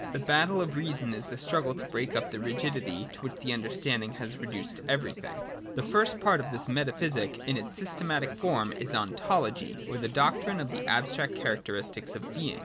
The battle of reason is the struggle to break up the rigidity to which the understanding , has reduced everything. 33.] Th& first part of this metaphysic in its systematic form is Ontology, or the doctrine of the abstract characteristics of Being.